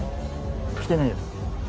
来てないよ。